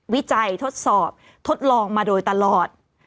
วิจัยทดสอบทดลองมาโดยตลอด